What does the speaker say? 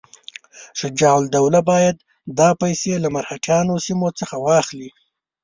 شجاع الدوله باید دا پیسې له مرهټیانو سیمو څخه واخلي.